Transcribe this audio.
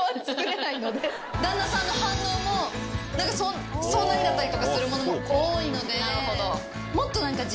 旦那さんの反応もそんなにだったりとかするものも多いので。